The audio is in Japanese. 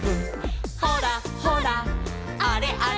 「ほらほらあれあれ」